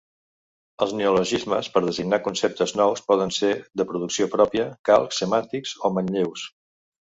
Els neologismes per designar conceptes nous poden ser de producció pròpia, calcs semàntics o manlleus.